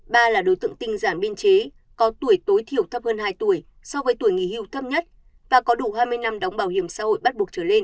ba là đối tượng tinh giản biên chế có tuổi tối thiểu thấp hơn hai tuổi so với tuổi nghỉ hưu thấp nhất và có đủ hai mươi năm đóng bảo hiểm xã hội bắt buộc trở lên